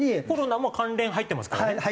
コロナも関連入ってますからね。